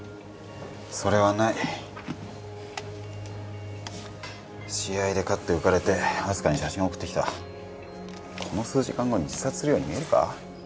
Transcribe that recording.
それはない試合で勝って浮かれて明日香に写真送ってきたこの数時間後に自殺するように見えるか？